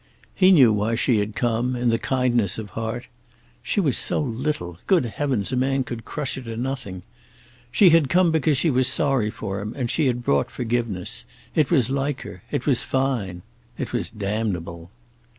He knew why she had come, in the kindness of heart. (She was so little. Good heavens, a man could crush her to nothing!) She had come because she was sorry for him, and she had brought forgiveness. It was like her. It was fine. It was damnable.